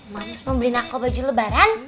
mams mau beliin aku baju lebaran